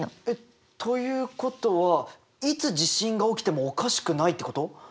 えっ！ということはいつ地震が起きてもおかしくないってこと？